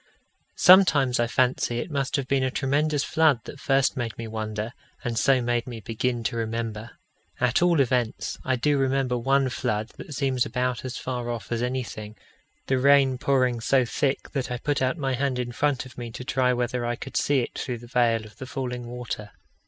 Sometimes I fancy it must have been a tremendous flood that first made me wonder, and so made me begin to remember. At all events, I do remember one flood that seems about as far off as anything the rain pouring so thick that I put out my hand in front of me to try whether I could see it through the veil of the falling water.